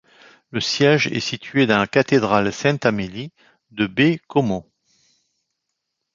Le siège est situé dans la cathédrale Sainte-Amélie de Baie-Comeau.